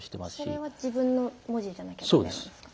それは自分の文字じゃなきゃダメなんですか？